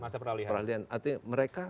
masa peralihan mereka